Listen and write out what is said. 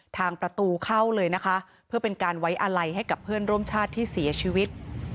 ทางประตูเข้าเลยนะคะเพื่อเป็นการไว้อาลัยให้กับเพื่อนร่วมชาติที่เสียชีวิต